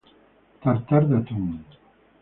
Tartar de atún.